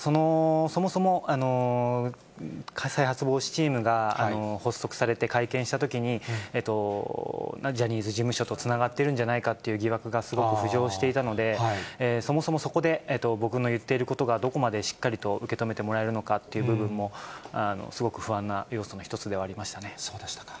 そもそも再発防止チームが発足されて、会見したときに、ジャニーズ事務所とつながってるんじゃないかって疑惑がすごく浮上していたので、そもそもそこで僕の言っていることがどこまでしっかりと受け止めてもらえるのかっていう部分も、すごく不安な要素の一つではありそうでしたか。